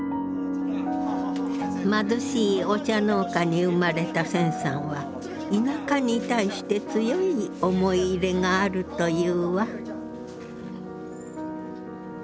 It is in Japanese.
貧しいお茶農家に生まれた銭さんは田舎に対して強い思い入れがあるというわ。